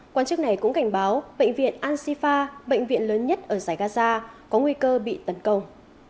quan chức này cũng cảnh báo bệnh viện ansifa bệnh viện lớn nhất ở giải gaza có nguy cơ bị tấn công